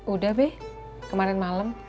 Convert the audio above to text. udah be kemarin malem